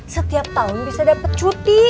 setiap tahun bisa dapat cuti